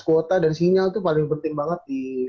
kuota dan sinyal itu paling penting banget di